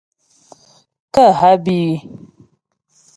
Kə́ há bí í.